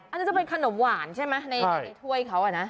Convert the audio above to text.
อันนี้จะเป็นขนมหวานใช่ไหมในถ้วยเขาอะนะ